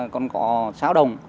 còn có xáo đồng